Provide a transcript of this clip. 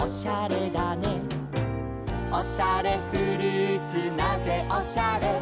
「おしゃれフルーツなぜおしゃれ」